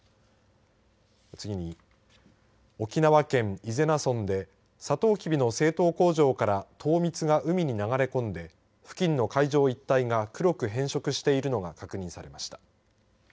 次に、沖縄県伊是名村でさとうきびの製糖工場から糖蜜が海に流れ込んで付近の海上一帯が黒く変色しているのが確認されました。